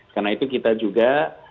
karena itu kita juga